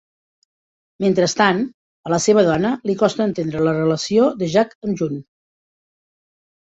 Mentrestant, a la seva dona li costa entendre la relació de Jack amb June.